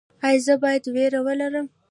ایا زه باید ویره ولرم؟